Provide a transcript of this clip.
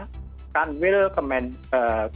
dan kemudian pemerintah sekolah